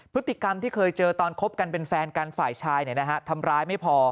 พฤติกรรมที่เคยเจอตอนคบกันเป็นแฟนกันฝ่ายชายทำร้ายไม่พอ